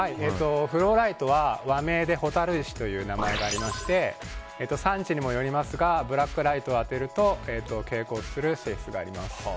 フローライトは和名で蛍石という名前がありまして産地によりますがブラックライトを当てると蛍光する性質があります。